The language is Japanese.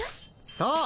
そう。